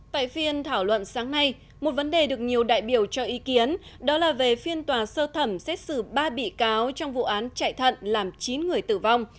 tại phiên thảo luận sáng nay một vấn đề được nhiều đại biểu cho ý kiến đó là về phiên tòa sơ thẩm xét xử ba bị cáo trong vụ án chạy thận làm chín người tử vong